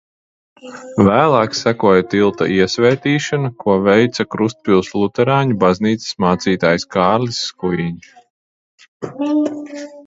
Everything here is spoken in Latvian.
Vēlāk sekoja tilta iesvētīšana, ko veica Krustpils luterāņu baznīcas mācītājs Kārlis Skujiņš.